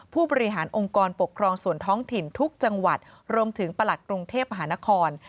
ผู้บริหารองค์กรปกครองส่วนท้องถิ่นทุกจังหวัดรวมถึงประหลัดกรุงเทพมหานคร